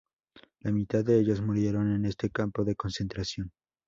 La mitad de ellos murieron en este campo de concentración.